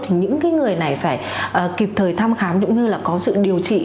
thì những người này phải kịp thời thăm khám cũng như là có sự điều trị